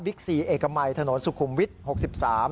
ซีเอกมัยถนนสุขุมวิทย์๖๓